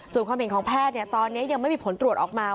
ส่วนความเห็นของแพทย์ตอนนี้ยังไม่มีผลตรวจออกมา